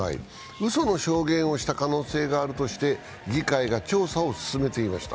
うその証言をした可能性があるとして、議会が調査を進めていました。